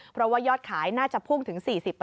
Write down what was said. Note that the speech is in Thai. เพราะว่ายอดขายน่าจะพุ่งถึง๔๐